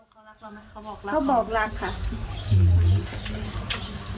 เขารักเราไหมเขาบอกรักเขาบอกรักค่ะ